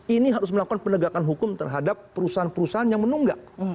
ini harus melakukan penegakan hukum terhadap perusahaan perusahaan yang menunggak